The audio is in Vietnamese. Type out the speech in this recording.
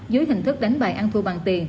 dưới hình thức đánh bạc ăn thua bằng tiền